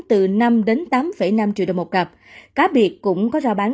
từ năm tám năm triệu đồng một cặp cá biệt cũng có giao bán